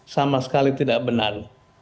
sama sekali tidak benar